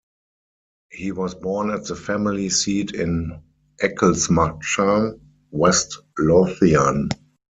He was born at the family seat in Ecclesmachan, West Lothian.